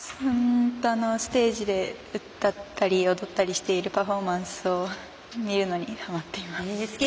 ステージで歌ったり踊ったりしているパフォーマンスを見るのにはまっています。